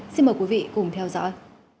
xin mời quý vị cùng theo dõi